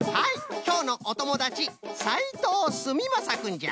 きょうのおともだちさいとうすみまさくんじゃ。